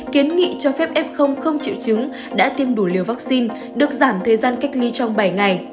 kiến nghị cho phép f không chịu chứng đã tiêm đủ liều vaccine được giảm thời gian cách ly trong bảy ngày